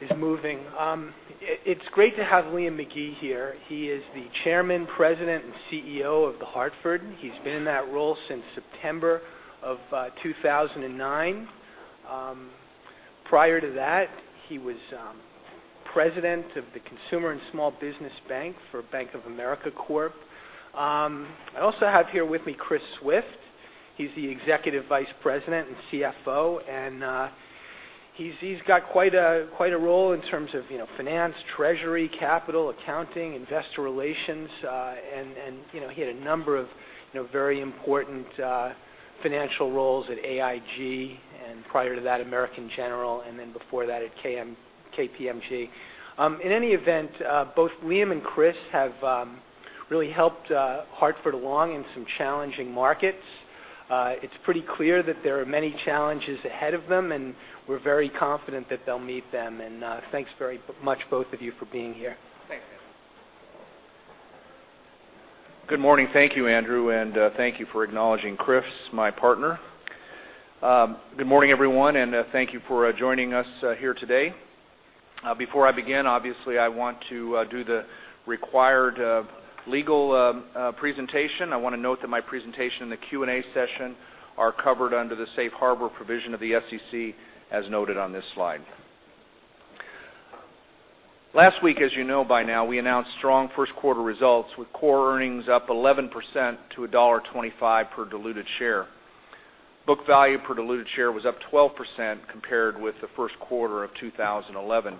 Is moving. It's great to have Liam McGee here. He is the Chairman, President, and CEO of The Hartford. He's been in that role since September of 2009. Prior to that, he was President of the Consumer and Small Business Bank for Bank of America Corp. I also have here with me Chris Swift. He's the Executive Vice President and CFO, and he's got quite a role in terms of finance, treasury, capital, accounting, investor relations, and he had a number of very important financial roles at AIG, and prior to that, American General, and then before that at KPMG. In any event, both Liam and Chris have really helped Hartford along in some challenging markets. It's pretty clear that there are many challenges ahead of them, and we're very confident that they'll meet them, and thanks very much, both of you, for being here. Thanks, Andrew. Good morning. Thank you, Andrew, and thank you for acknowledging Chris, my partner. Good morning, everyone, and thank you for joining us here today. Before I begin, obviously, I want to do the required legal presentation. I want to note that my presentation and the Q&A session are covered under the safe harbor provision of the SEC, as noted on this slide. Last week, as you know by now, we announced strong first quarter results, with core earnings up 11% to $1.25 per diluted share. Book value per diluted share was up 12% compared with the first quarter of 2011.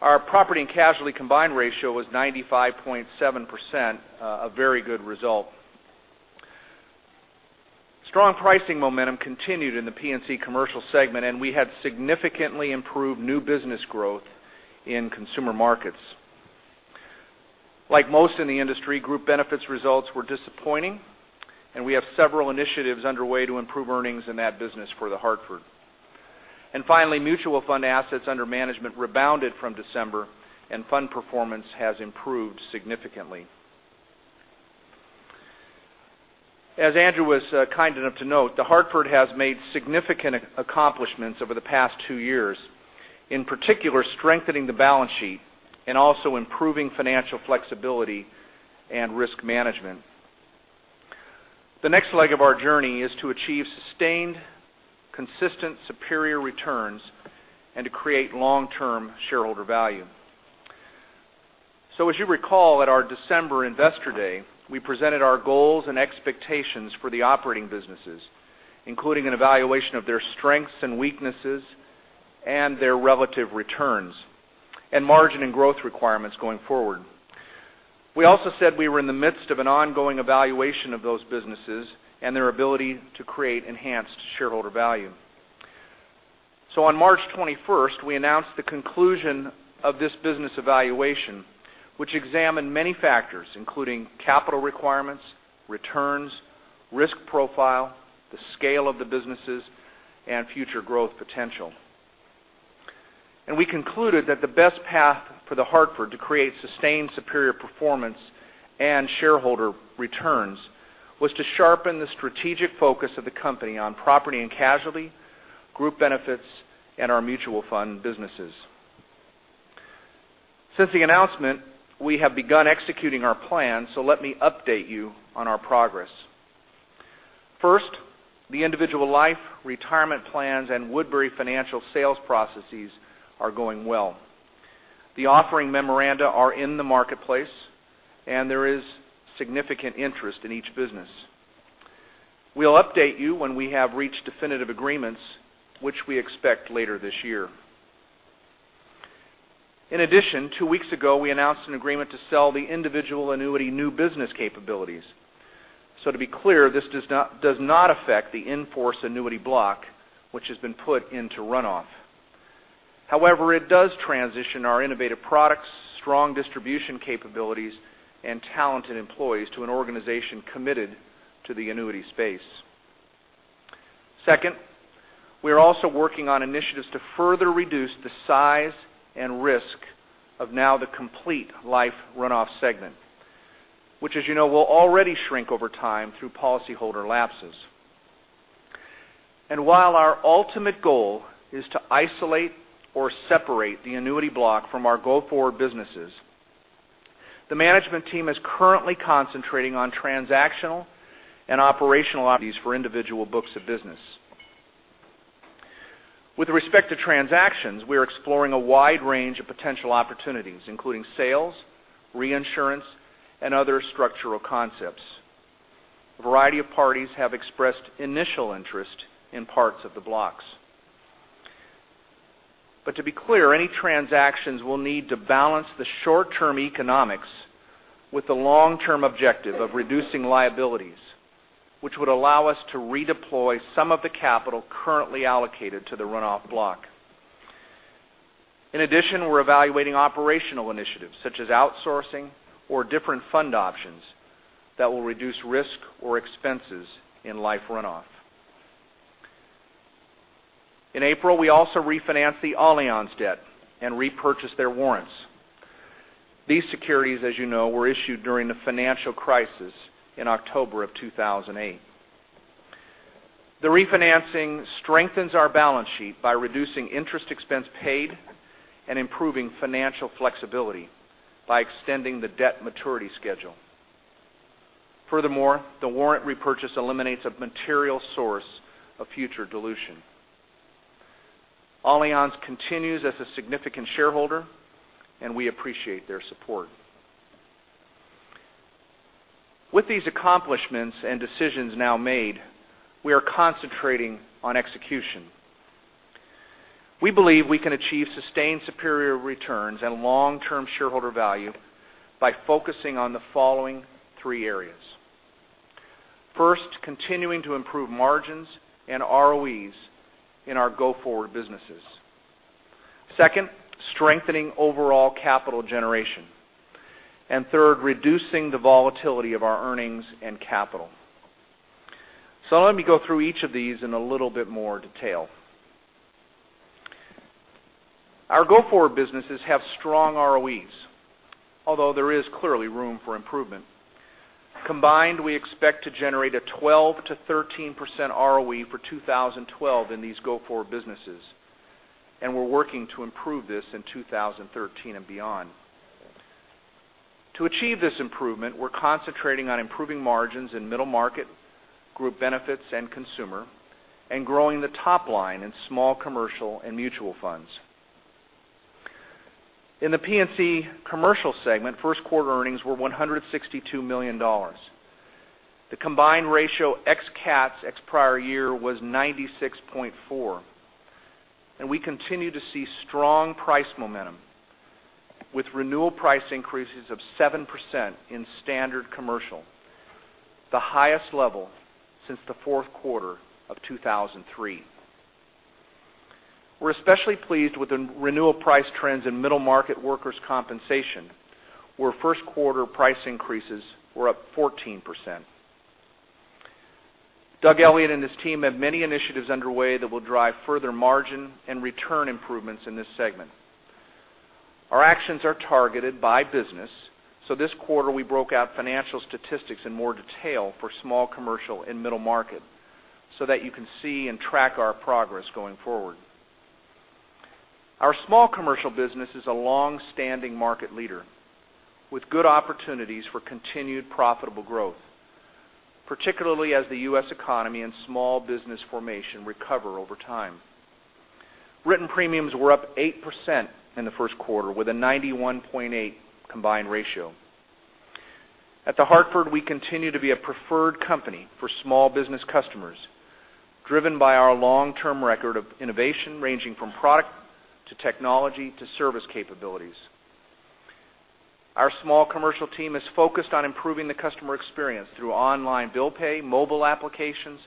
Our property and casualty combined ratio was 95.7%, a very good result. Strong pricing momentum continued in the P&C Commercial segment, and we had significantly improved new business growth in Consumer Markets. Like most in the industry, Group Benefits results were disappointing, and we have several initiatives underway to improve earnings in that business for The Hartford. Finally, mutual fund assets under management rebounded from December, and fund performance has improved significantly. As Andrew was kind enough to note, The Hartford has made significant accomplishments over the past two years, in particular, strengthening the balance sheet and also improving financial flexibility and risk management. The next leg of our journey is to achieve sustained, consistent, superior returns and to create long-term shareholder value. As you recall, at our December investor day, we presented our goals and expectations for the operating businesses, including an evaluation of their strengths and weaknesses and their relative returns, and margin and growth requirements going forward. We also said we were in the midst of an ongoing evaluation of those businesses and their ability to create enhanced shareholder value. On March 21st, we announced the conclusion of this business evaluation, which examined many factors, including capital requirements, returns, risk profile, the scale of the businesses, and future growth potential. We concluded that the best path for The Hartford to create sustained superior performance and shareholder returns was to sharpen the strategic focus of the company on property and casualty, Group Benefits, and our mutual fund businesses. Since the announcement, we have begun executing our plan, let me update you on our progress. First, the individual life, retirement plans, and Woodbury Financial sales processes are going well. The offering memoranda are in the marketplace, and there is significant interest in each business. We'll update you when we have reached definitive agreements, which we expect later this year. In addition, two weeks ago, we announced an agreement to sell the individual annuity new business capabilities. To be clear, this does not affect the in-force annuity block, which has been put into runoff. However, it does transition our innovative products, strong distribution capabilities, and talented employees to an organization committed to the annuity space. Second, we are also working on initiatives to further reduce the size and risk of now the complete life runoff segment, which as you know, will already shrink over time through policyholder lapses. While our ultimate goal is to isolate or separate the annuity block from our go-forward businesses, the management team is currently concentrating on transactional and operational opportunities for individual books of business. With respect to transactions, we are exploring a wide range of potential opportunities, including sales, reinsurance, and other structural concepts. A variety of parties have expressed initial interest in parts of the blocks. To be clear, any transactions will need to balance the short-term economics with the long-term objective of reducing liabilities, which would allow us to redeploy some of the capital currently allocated to the runoff block. In addition, we're evaluating operational initiatives such as outsourcing or different fund options that will reduce risk or expenses in life runoff. In April, we also refinanced the Allianz debt and repurchased their warrants. These securities, as you know, were issued during the financial crisis in October of 2008. The refinancing strengthens our balance sheet by reducing interest expense paid and improving financial flexibility by extending the debt maturity schedule. Furthermore, the warrant repurchase eliminates a material source of future dilution. Allianz continues as a significant shareholder, we appreciate their support. With these accomplishments and decisions now made, we are concentrating on execution. We believe we can achieve sustained superior returns and long-term shareholder value by focusing on the following three areas. First, continuing to improve margins and ROEs in our go-forward businesses. Second, strengthening overall capital generation. Third, reducing the volatility of our earnings and capital. Let me go through each of these in a little bit more detail. Our go-forward businesses have strong ROEs, although there is clearly room for improvement. Combined, we expect to generate a 12%-13% ROE for 2012 in these go-forward businesses, and we're working to improve this in 2013 and beyond. To achieve this improvement, we're concentrating on improving margins in Middle Market, Group Benefits, and Consumer, and growing the top line in Small Commercial and Mutual Funds. In the P&C Commercial segment, first quarter earnings were $162 million. The combined ratio ex-CATs, ex-prior year, was 96.4%. We continue to see strong price momentum with renewal price increases of 7% in standard commercial, the highest level since the fourth quarter of 2003. We are especially pleased with the renewal price trends in Middle Market workers' compensation, where first quarter price increases were up 14%. Doug Elliott and his team have many initiatives underway that will drive further margin and return improvements in this segment. Our actions are targeted by business, this quarter we broke out financial statistics in more detail for Small Commercial and Middle Market so that you can see and track our progress going forward. Our Small Commercial business is a longstanding market leader with good opportunities for continued profitable growth, particularly as the U.S. economy and small business formation recover over time. Written premiums were up 8% in the first quarter with a 91.8% combined ratio. At The Hartford, we continue to be a preferred company for small business customers, driven by our long-term record of innovation ranging from product to technology to service capabilities. Our small commercial team is focused on improving the customer experience through online bill pay, mobile applications,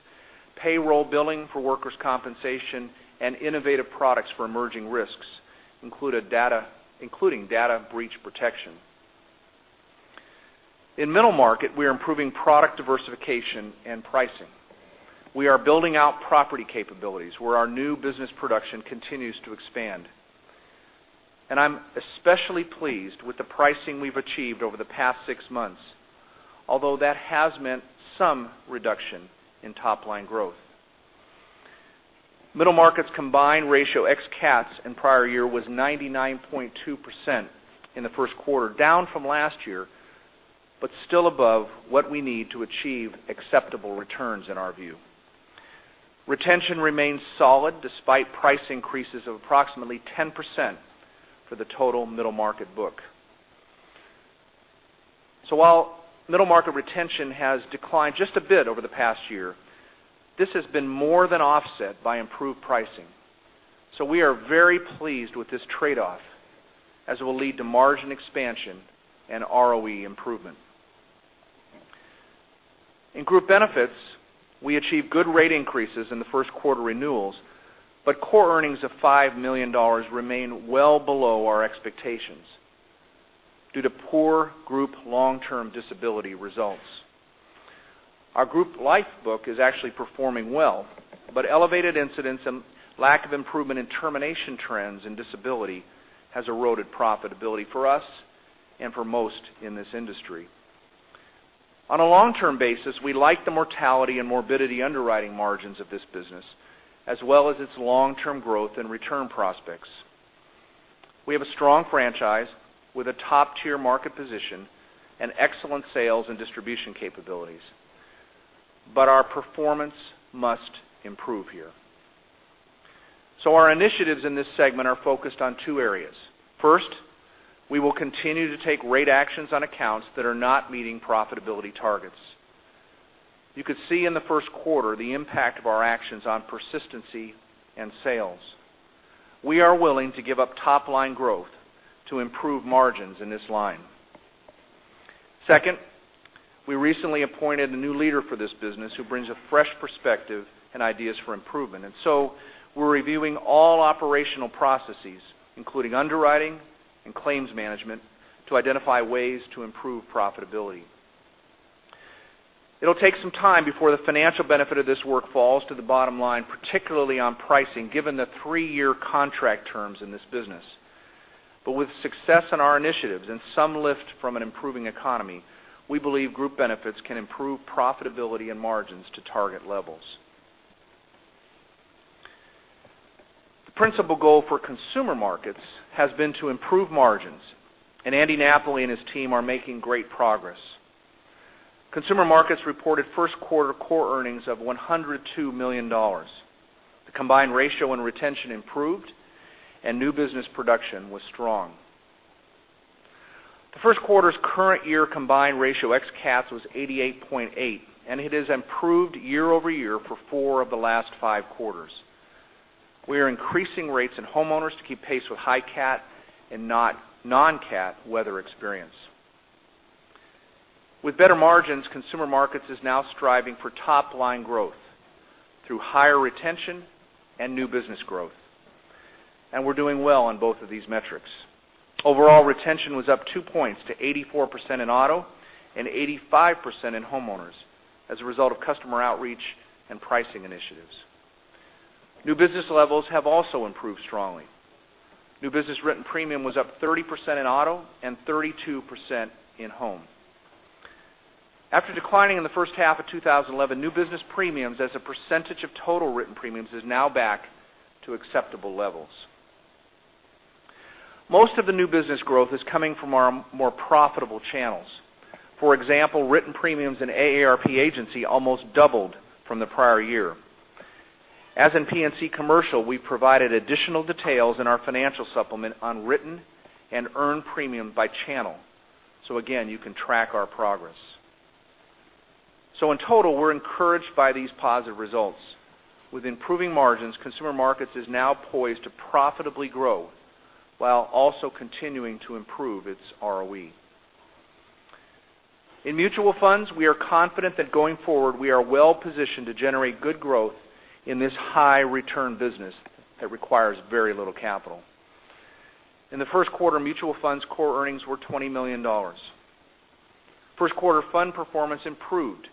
payroll billing for workers' compensation, and innovative products for emerging risks, including data breach protection. In Middle Market, we are improving product diversification and pricing. We are building out property capabilities where our new business production continues to expand. I am especially pleased with the pricing we have achieved over the past six months, although that has meant some reduction in top-line growth. Middle Market's combined ratio ex-CATs and prior year was 99.2% in the first quarter, down from last year, but still above what we need to achieve acceptable returns in our view. Retention remains solid despite price increases of approximately 10% for the total Middle Market retention. While Middle Market retention has declined just a bit over the past year, this has been more than offset by improved pricing. We are very pleased with this trade-off as it will lead to margin expansion and ROE improvement. In Group Benefits, we achieved good rate increases in the first quarter renewals, but core earnings of $5 million remain well below our expectations due to poor group long-term disability results. Our group life book is actually performing well, but elevated incidents and lack of improvement in termination trends in disability has eroded profitability for us and for most in this industry. On a long-term basis, we like the mortality and morbidity underwriting margins of this business, as well as its long-term growth and return prospects. We have a strong franchise with a top-tier market position and excellent sales and distribution capabilities. Our performance must improve here. Our initiatives in this segment are focused on two areas. First, we will continue to take rate actions on accounts that are not meeting profitability targets. You could see in the first quarter the impact of our actions on persistency and sales. We are willing to give up top-line growth to improve margins in this line. Second, we recently appointed a new leader for this business who brings a fresh perspective and ideas for improvement. We are reviewing all operational processes, including underwriting and claims management, to identify ways to improve profitability. It'll take some time before the financial benefit of this work falls to the bottom line, particularly on pricing, given the three-year contract terms in this business. With success in our initiatives and some lift from an improving economy, we believe Group Benefits can improve profitability and margins to target levels. The principal goal for Consumer Markets has been to improve margins, and Andy Napoli and his team are making great progress. Consumer Markets reported first quarter core earnings of $102 million. The combined ratio and retention improved, and new business production was strong. The first quarter's current year combined ratio ex-CATs was 88.8, and it has improved year-over-year for four of the last five quarters. We are increasing rates in homeowners to keep pace with high CAT and non-CAT weather experience. With better margins, Consumer Markets is now striving for top-line growth through higher retention and new business growth. We're doing well on both of these metrics. Overall retention was up two points to 84% in auto and 85% in homeowners as a result of customer outreach and pricing initiatives. New business levels have also improved strongly. New business written premium was up 30% in auto and 32% in home. After declining in the first half of 2011, new business premiums as a percentage of total written premiums is now back to acceptable levels. Most of the new business growth is coming from our more profitable channels. For example, written premiums in AARP agency almost doubled from the prior year. As in P&C Commercial, we provided additional details in our financial supplement on written and earned premium by channel. Again, you can track our progress. In total, we're encouraged by these positive results. With improving margins, Consumer Markets is now poised to profitably grow while also continuing to improve its ROE. In mutual funds, we are confident that going forward, we are well-positioned to generate good growth in this high-return business that requires very little capital. In the first quarter, mutual funds' core earnings were $20 million. First quarter fund performance improved,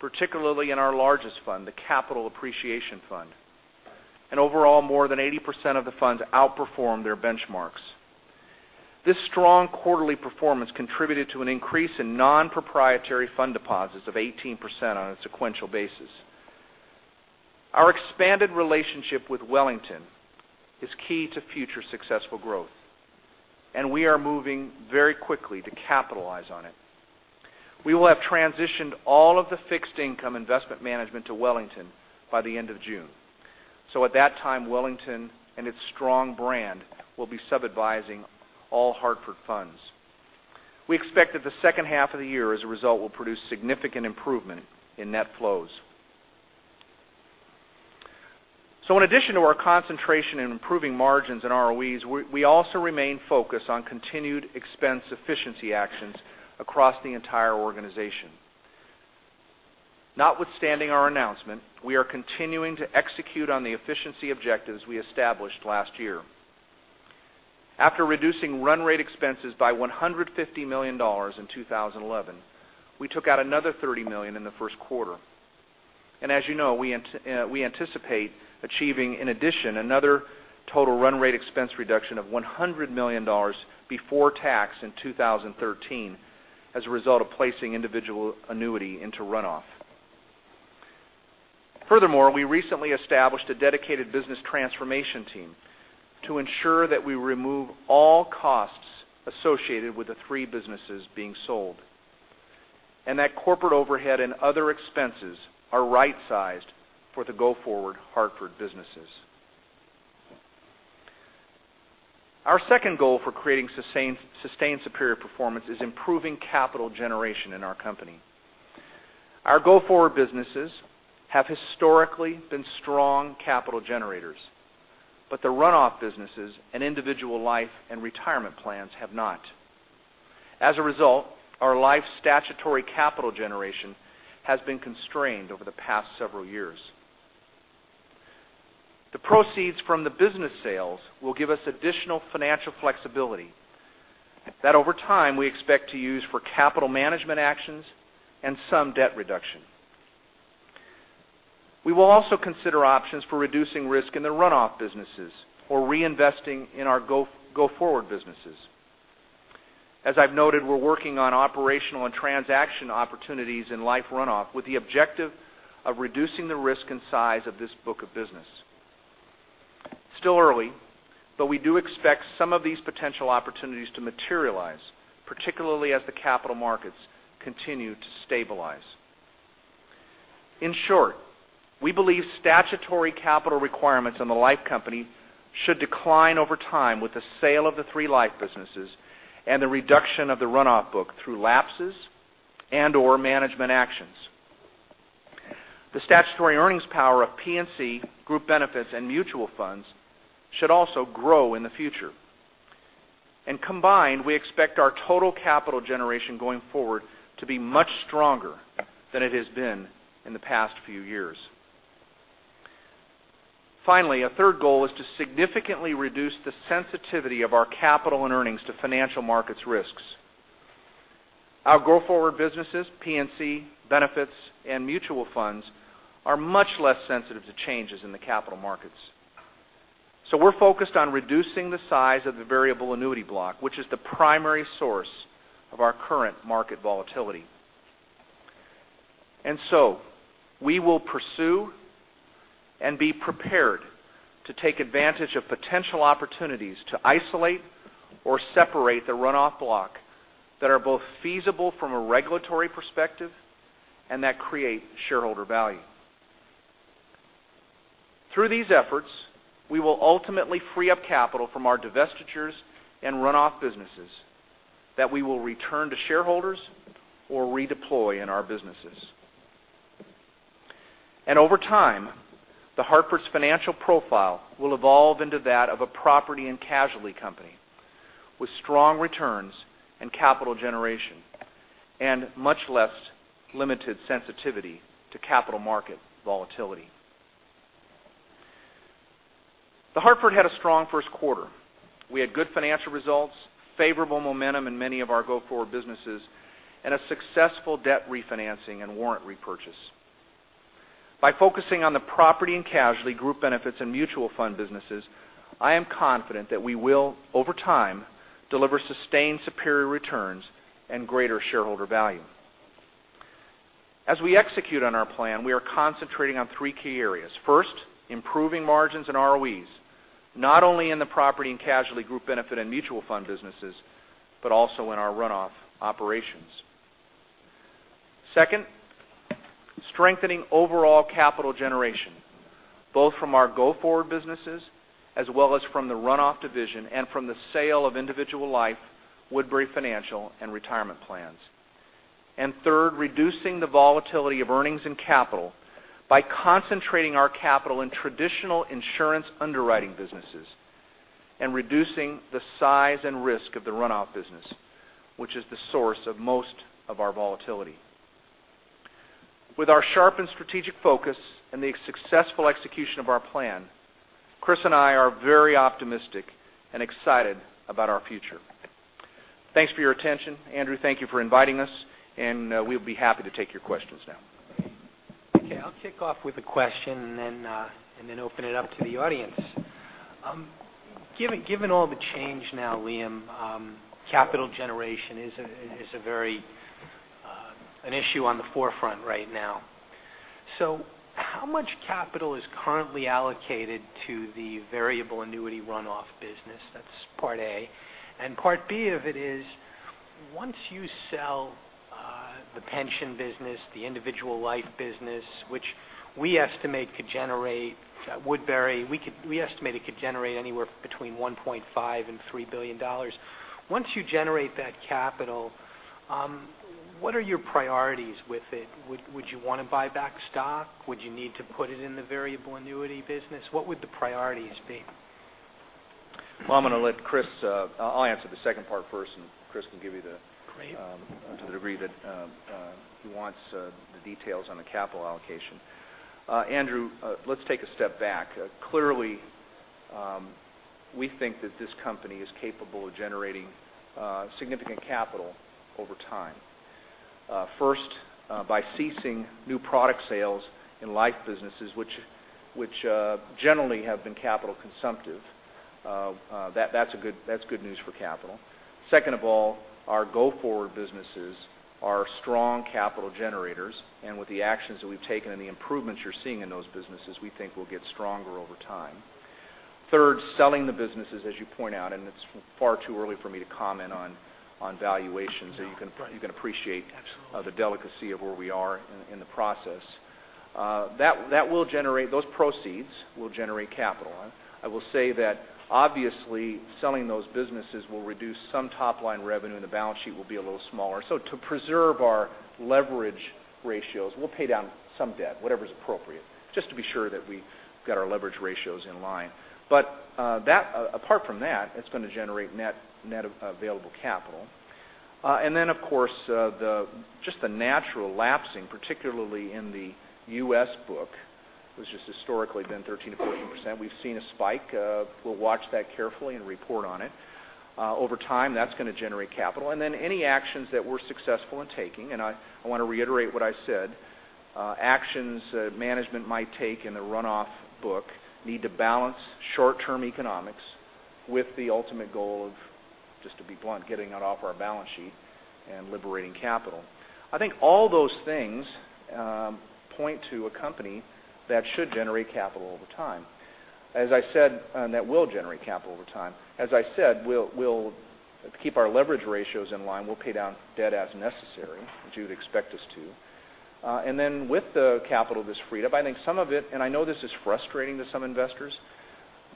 particularly in our largest fund, the Capital Appreciation Fund. Overall, more than 80% of the funds outperformed their benchmarks. This strong quarterly performance contributed to an increase in non-proprietary fund deposits of 18% on a sequential basis. Our expanded relationship with Wellington is key to future successful growth, and we are moving very quickly to capitalize on it. We will have transitioned all of the fixed income investment management to Wellington by the end of June. At that time, Wellington and its strong brand will be sub-advising all Hartford Funds. We expect that the second half of the year, as a result, will produce significant improvement in net flows. In addition to our concentration in improving margins and ROEs, we also remain focused on continued expense efficiency actions across the entire organization. Notwithstanding our announcement, we are continuing to execute on the efficiency objectives we established last year. After reducing run rate expenses by $150 million in 2011, we took out another $30 million in the first quarter. As you know, we anticipate achieving, in addition, another total run rate expense reduction of $100 million before tax in 2013 as a result of placing individual annuity into run-off. Furthermore, we recently established a dedicated business transformation team to ensure that we remove all costs associated with the three businesses being sold. That corporate overhead and other expenses are right-sized for the go-forward The Hartford businesses. Our second goal for creating sustained superior performance is improving capital generation in our company. Our go-forward businesses have historically been strong capital generators, but the run-off businesses and individual life and retirement plans have not. As a result, our life statutory capital generation has been constrained over the past several years. The proceeds from the business sales will give us additional financial flexibility that over time we expect to use for capital management actions and some debt reduction. We will also consider options for reducing risk in the run-off businesses or reinvesting in our go-forward businesses. As I've noted, we're working on operational and transaction opportunities in life run-off with the objective of reducing the risk and size of this book of business. It's still early, but we do expect some of these potential opportunities to materialize, particularly as the capital markets continue to stabilize. In short, we believe statutory capital requirements on the life company should decline over time with the sale of the three life businesses and the reduction of the run-off book through lapses and/or management actions. The statutory earnings power of P&C, Group Benefits, and Mutual Funds should also grow in the future. Combined, we expect our total capital generation going forward to be much stronger than it has been in the past few years. Finally, a third goal is to significantly reduce the sensitivity of our capital and earnings to financial markets risks. Our go-forward businesses, P&C, benefits, and Mutual Funds, are much less sensitive to changes in the capital markets. We're focused on reducing the size of the variable annuity block, which is the primary source of our current market volatility. We will pursue and be prepared to take advantage of potential opportunities to isolate or separate the run-off block that are both feasible from a regulatory perspective and that create shareholder value. Through these efforts, we will ultimately free up capital from our divestitures and run-off businesses that we will return to shareholders or redeploy in our businesses. Over time, The Hartford's financial profile will evolve into that of a property and casualty company with strong returns and capital generation and much less limited sensitivity to capital market volatility. The Hartford had a strong first quarter. We had good financial results, favorable momentum in many of our go-forward businesses, and a successful debt refinancing and warrant repurchase. By focusing on the property and casualty Group Benefits and Mutual Fund businesses, I am confident that we will, over time, deliver sustained superior returns and greater shareholder value. As we execute on our plan, we are concentrating on three key areas. First, improving margins and ROEs, not only in the property and casualty Group Benefit and Mutual Fund businesses, but also in our run-off operations. Second, strengthening overall capital generation, both from our go-forward businesses as well as from the run-off division and from the sale of individual life, Woodbury Financial, and retirement plans. Third, reducing the volatility of earnings and capital by concentrating our capital in traditional insurance underwriting businesses and reducing the size and risk of the run-off business, which is the source of most of our volatility. With our sharpened strategic focus and the successful execution of our plan, Chris and I are very optimistic and excited about our future. Thanks for your attention. Andrew, thank you for inviting us, and we'll be happy to take your questions now. Okay. I'll kick off with a question and then open it up to the audience. Given all the change now, Liam, capital generation is an issue on the forefront right now. How much capital is currently allocated to the variable annuity runoff business? That's part A. Part B of it is, once you sell the pension business, the individual life business, which we estimate could generate, would be anywhere between $1.5 billion-$3 billion. Once you generate that capital, what are your priorities with it? Would you want to buy back stock? Would you need to put it in the variable annuity business? What would the priorities be? Well, I'll answer the second part first, and Chris can give you the. Great to the degree that he wants the details on the capital allocation. Andrew, let's take a step back. Clearly, we think that this company is capable of generating significant capital over time. First, by ceasing new product sales in life businesses, which generally have been capital consumptive. That's good news for capital. Second, our go-forward businesses are strong capital generators, and with the actions that we've taken and the improvements you're seeing in those businesses, we think we'll get stronger over time. Third, selling the businesses, as you point out. It's far too early for me to comment on valuations. Right. You can appreciate. Absolutely the delicacy of where we are in the process. Those proceeds will generate capital. I will say that obviously selling those businesses will reduce some top-line revenue, and the balance sheet will be a little smaller. To preserve our leverage ratios, we'll pay down some debt, whatever's appropriate, just to be sure that we've got our leverage ratios in line. Apart from that, it's going to generate net available capital. Of course, just the natural lapsing, particularly in the U.S. book, which has historically been 13%-14%. We've seen a spike. We'll watch that carefully and report on it. Over time, that's going to generate capital. Any actions that we're successful in taking, and I want to reiterate what I said, actions management might take in the runoff book need to balance short-term economics with the ultimate goal of, just to be blunt, getting that off our balance sheet and liberating capital. I think all those things point to a company that should generate capital over time. As I said, and that will generate capital over time. As I said, we'll keep our leverage ratios in line. We'll pay down debt as necessary, which you'd expect us to. With the capital that's freed up, I think some of it, and I know this is frustrating to some investors,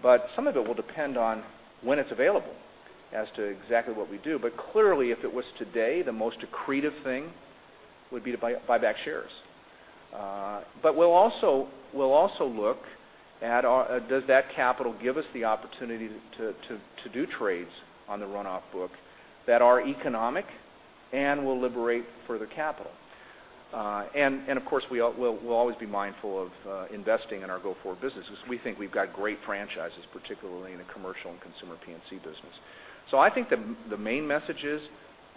but some of it will depend on when it's available as to exactly what we do. Clearly, if it was today, the most accretive thing would be to buy back shares. We'll also look at does that capital give us the opportunity to do trades on the runoff book that are economic and will liberate further capital? Of course, we'll always be mindful of investing in our go-forward businesses. We think we've got great franchises, particularly in the commercial and Consumer P&C business. I think the main message is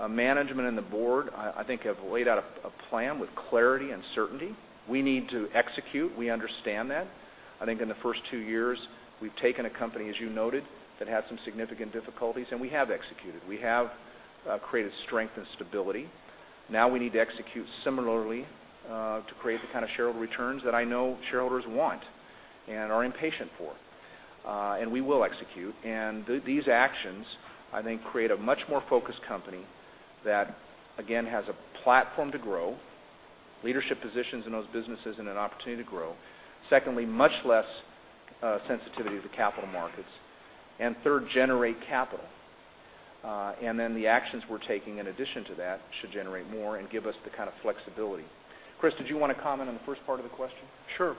management and the board, I think, have laid out a plan with clarity and certainty. We need to execute. We understand that. I think in the first two years, we've taken a company, as you noted, that had some significant difficulties, and we have executed. We have created strength and stability. Now we need to execute similarly to create the kind of shareholder returns that I know shareholders want and are impatient for. We will execute. These actions, I think, create a much more focused company that, again, has a platform to grow, leadership positions in those businesses, and an opportunity to grow. Secondly, much less sensitivity to capital markets. Third, generate capital. The actions we're taking in addition to that should generate more and give us the kind of flexibility. Chris, did you want to comment on the first part of the question? Sure.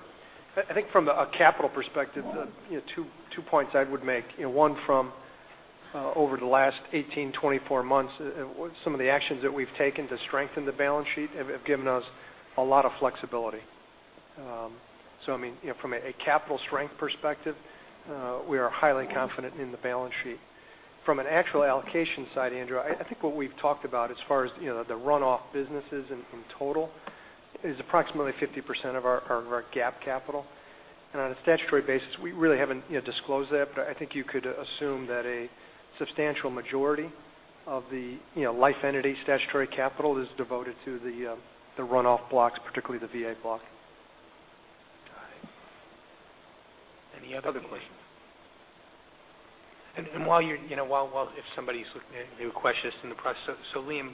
I think from a capital perspective, two points I would make. One from over the last 18, 24 months, some of the actions that we've taken to strengthen the balance sheet have given us a lot of flexibility. From a capital strength perspective, we are highly confident in the balance sheet. From an actual allocation side, Andrew, I think what we've talked about as far as the runoff businesses in total is approximately 50% of our GAAP capital. On a statutory basis, we really haven't disclosed that, but I think you could assume that a substantial majority of the life entity statutory capital is devoted to the runoff blocks, particularly the VA block. Got it. Any other questions? Other questions. While if somebody's looking at new questions in the process. Liam,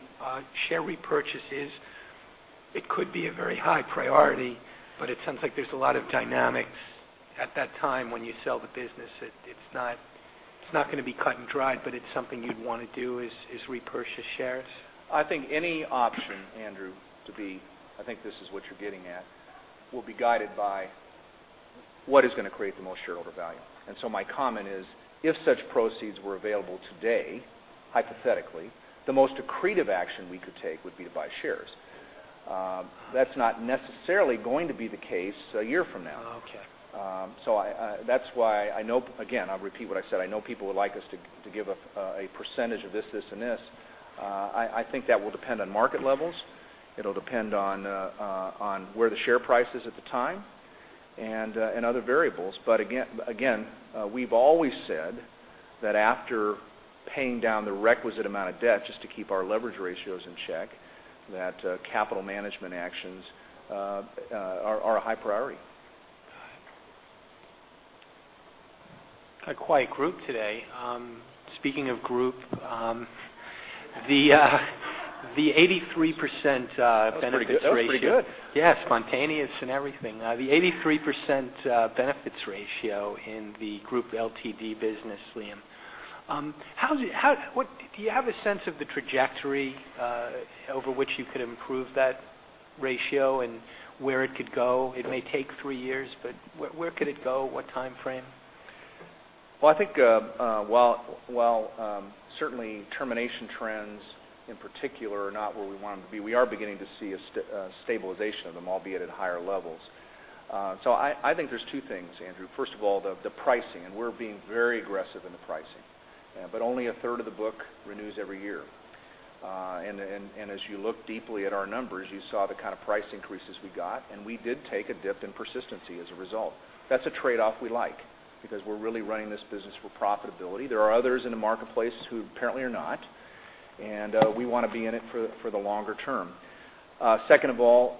share repurchases, it could be a very high priority, but it sounds like there's a lot of dynamics at that time when you sell the business. It's not going to be cut and dry, but it's something you'd want to do is repurchase shares? I think any option, Andrew, to be, I think this is what you're getting at, will be guided by what is going to create the most shareholder value. My comment is, if such proceeds were available today, hypothetically, the most accretive action we could take would be to buy shares. That's not necessarily going to be the case a year from now. Okay. That's why I know, again, I'll repeat what I said. I know people would like us to give a percentage of this, and this. I think that will depend on market levels. It'll depend on where the share price is at the time and other variables. Again, we've always said that after paying down the requisite amount of debt, just to keep our leverage ratios in check, that capital management actions are a high priority. Got it. A quiet group today. Speaking of group, the 83% benefits ratio. That was pretty good. Yeah, spontaneous and everything. The 83% benefits ratio in the group LTD business, Liam. Do you have a sense of the trajectory over which you could improve that ratio and where it could go? It may take three years, but where could it go? What time frame? Well, I think while certainly termination trends in particular are not where we want them to be, we are beginning to see a stabilization of them, albeit at higher levels. I think there's two things, Andrew. First of all, the pricing, we're being very aggressive in the pricing. Only a third of the book renews every year. As you look deeply at our numbers, you saw the kind of price increases we got, and we did take a dip in persistency as a result. That's a trade-off we like because we're really running this business for profitability. There are others in the marketplace who apparently are not, and we want to be in it for the longer term. Second of all,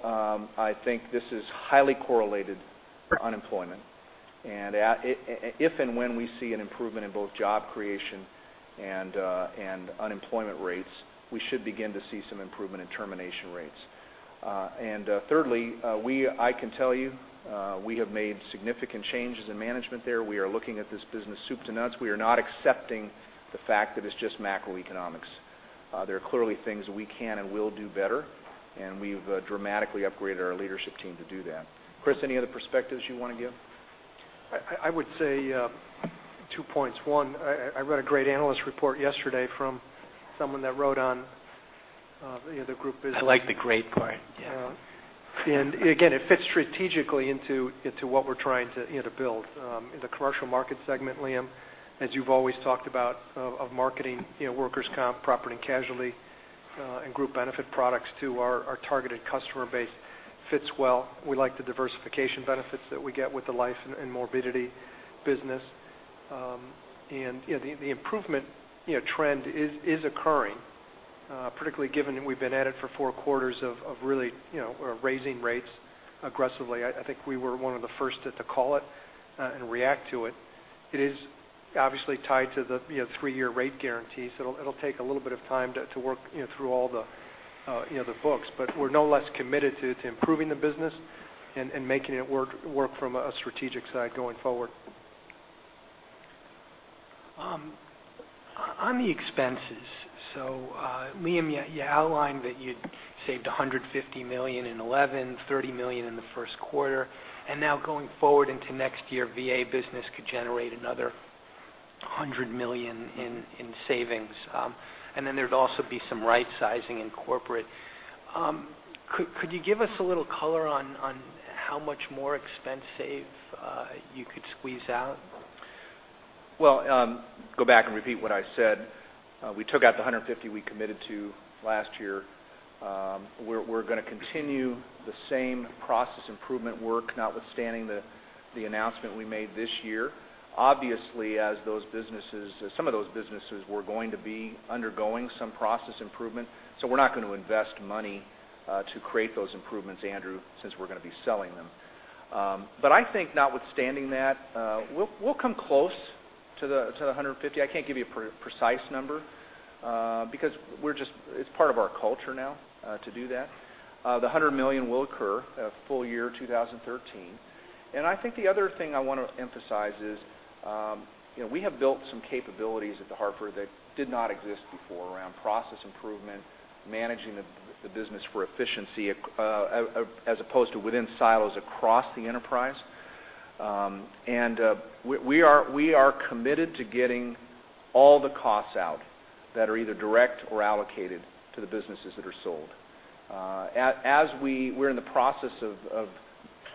I think this is highly correlated for unemployment. If and when we see an improvement in both job creation and unemployment rates, we should begin to see some improvement in termination rates. Thirdly, I can tell you we have made significant changes in management there. We are looking at this business soup to nuts. We are not accepting the fact that it's just macroeconomics. There are clearly things we can and will do better, and we've dramatically upgraded our leadership team to do that. Chris, any other perspectives you want to give? I would say two points. One, I read a great analyst report yesterday from someone that wrote on the group business. I like the great part. Yeah. Again, it fits strategically into what we're trying to build. In the commercial market segment, Liam, as you've always talked about, of marketing workers' comp, property and casualty, and Group Benefit products to our targeted customer base fits well. We like the diversification benefits that we get with the life and morbidity business. The improvement trend is occurring particularly given that we've been at it for four quarters of really raising rates aggressively. I think we were one of the first to call it and react to it. It is obviously tied to the three-year rate guarantee, so it'll take a little bit of time to work through all the books. We're no less committed to improving the business and making it work from a strategic side going forward. On the expenses. Liam, you outlined that you'd saved $150 million in 2011, $30 million in the first quarter, and now going forward into next year, VA business could generate another $100 million in savings. There'd also be some right-sizing in corporate. Could you give us a little color on how much more expense save you could squeeze out? Well, go back and repeat what I said. We took out the $150 we committed to last year. We're going to continue the same process improvement work, notwithstanding the announcement we made this year. Obviously, as some of those businesses were going to be undergoing some process improvement. We're not going to invest money to create those improvements, Andrew, since we're going to be selling them. I think notwithstanding that, we'll come close to the $150. I can't give you a precise number because it's part of our culture now to do that. The $100 million will occur full year 2013. I think the other thing I want to emphasize is we have built some capabilities at The Hartford that did not exist before around process improvement, managing the business for efficiency as opposed to within silos across the enterprise. We are committed to getting all the costs out that are either direct or allocated to the businesses that are sold. We're in the process of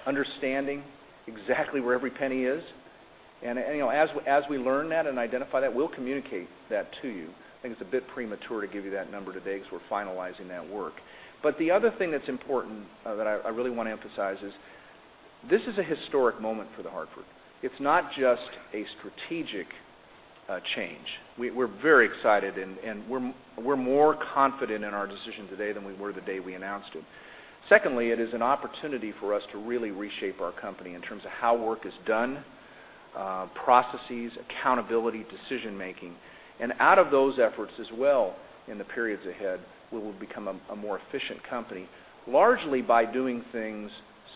understanding exactly where every penny is, and as we learn that and identify that, we'll communicate that to you. I think it's a bit premature to give you that number today because we're finalizing that work. The other thing that's important that I really want to emphasize is this is a historic moment for The Hartford. It's not just a strategic change. We're very excited, and we're more confident in our decision today than we were the day we announced it. Secondly, it is an opportunity for us to really reshape our company in terms of how work is done, processes, accountability, decision making. Out of those efforts as well, in the periods ahead, we will become a more efficient company, largely by doing things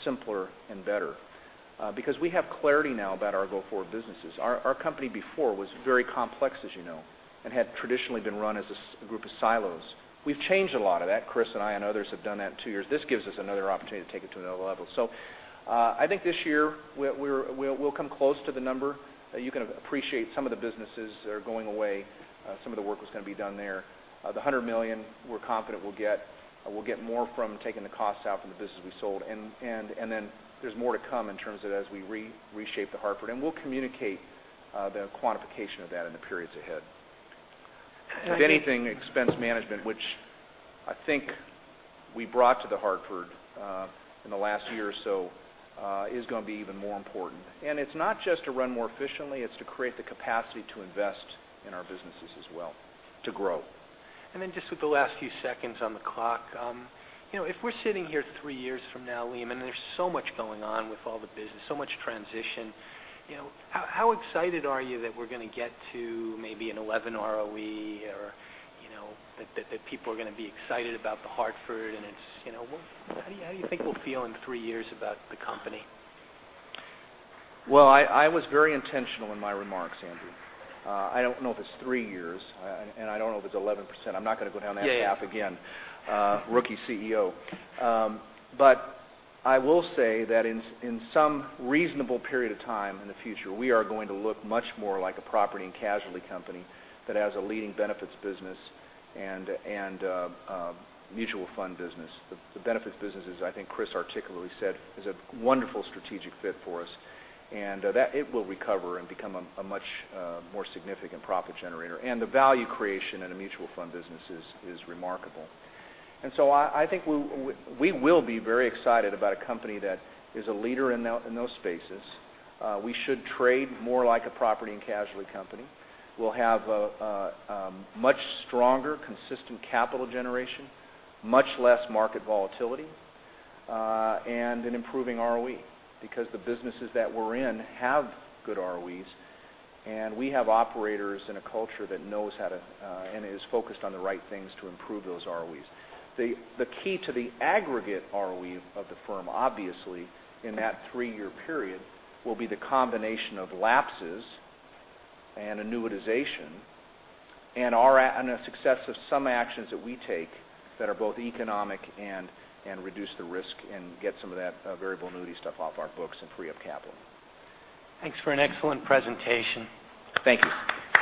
simpler and better. Because we have clarity now about our go-forward businesses. Our company before was very complex, as you know, and had traditionally been run as a group of silos. We've changed a lot of that. Chris and I and others have done that in two years. This gives us another opportunity to take it to another level. I think this year, we'll come close to the number. You can appreciate some of the businesses that are going away, some of the work that's going to be done there. The $100 million we're confident we'll get. We'll get more from taking the costs out from the business we sold. Then there's more to come in terms of as we reshape The Hartford. We'll communicate the quantification of that in the periods ahead. If anything, expense management, which I think we brought to The Hartford in the last year or so is going to be even more important. It's not just to run more efficiently, it's to create the capacity to invest in our businesses as well, to grow. Just with the last few seconds on the clock. If we're sitting here three years from now, Liam, and there's so much going on with all the business, so much transition, how excited are you that we're going to get to maybe an 11 ROE or that people are going to be excited about The Hartford? How do you think we'll feel in three years about the company? Well, I was very intentional in my remarks, Andrew. I don't know if it's three years, and I don't know if it's 11%. I'm not going to go down that path again. Yeah. Rookie CEO. I will say that in some reasonable period of time in the future, we are going to look much more like a property and casualty company that has a leading benefits business and mutual fund business. The benefits business is, I think Chris articulately said, is a wonderful strategic fit for us, and it will recover and become a much more significant profit generator. The value creation in a mutual fund business is remarkable. I think we will be very excited about a company that is a leader in those spaces. We should trade more like a property and casualty company. We'll have a much stronger, consistent capital generation, much less market volatility, and an improving ROE because the businesses that we're in have good ROEs, and we have operators and a culture that knows how to, and is focused on the right things to improve those ROEs. The key to the aggregate ROE of the firm, obviously, in that three-year period, will be the combination of lapses and annuitization and the success of some actions that we take that are both economic and reduce the risk and get some of that variable annuity stuff off our books and free up capital. Thanks for an excellent presentation. Thank you.